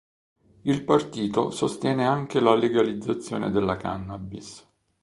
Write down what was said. Il partito sostiene anche la legalizzazione della cannabis.